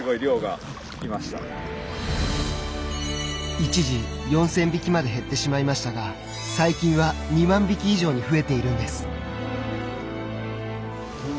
一時４千匹まで減ってしまいましたが最近は２万匹以上に増えているんです。